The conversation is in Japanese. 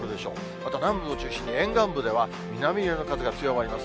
また南部を中心に、沿岸部では南寄りの風が強まります。